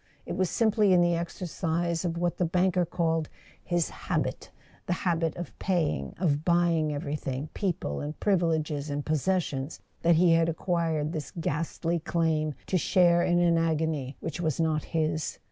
It was simply in the exercise of what the banker called his "habit"—the habit of paying, of buying everything, people and privileges and posses¬ sions—that he had acquired this ghastly claim to share in an agony which was not his.